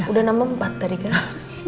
udah enam empat tadi kan